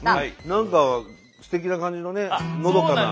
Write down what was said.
何かすてきな感じのねのどかな。